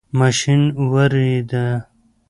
ماشین ویریده.